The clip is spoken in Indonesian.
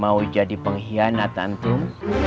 mau jadi pengkhianat antum